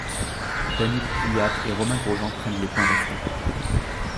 Daniil Kvyat et Romain Grosjean prennent les points restants.